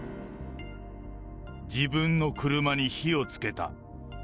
自分の車に火をつけた。